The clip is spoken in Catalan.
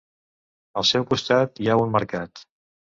Al seu costat hi ha un mercat.